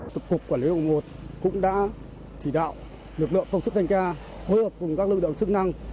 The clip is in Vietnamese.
tập cục quản lý hội một cũng đã chỉ đạo lực lượng công chức doanh ca hối hợp cùng các lực lượng chức năng